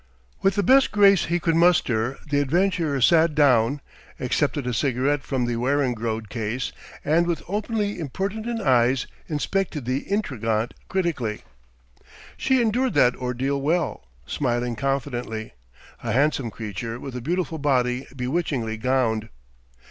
With the best grace he could muster the adventurer sat down, accepted a cigarette from the Weringrode case, and with openly impertinent eyes inspected the intrigante critically. She endured that ordeal well, smiling confidently, a handsome creature with a beautiful body bewitchingly gowned.